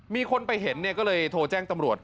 มีคนไปเห็นเนี่ยก็เลยโทรแจ้งตำรวจ